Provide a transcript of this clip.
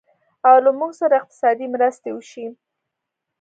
او له موږ سره اقتصادي مرستې وشي